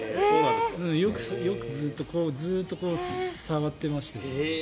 よくずっと触ってました。